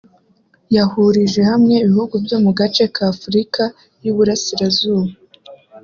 yahurije hamwe ibihugu byo mu gace ka Afurika y’uburasirazuba